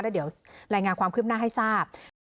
แล้วเดี๋ยวรายงานความคืบหน้าให้ทราบ